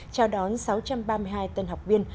chào đón sáu trăm ba mươi hai tân học viên